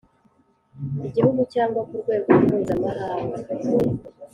igihugu cyangwa ku rwego mpuzamahanga